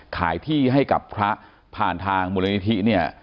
ขายที่ให้กับพระผ่านทางมูลนิธิเนี่ย